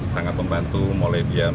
sangat membantu oleh dia